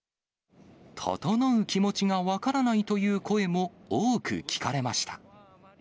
ととのう気持ちが分からないという声も多く聞かれました。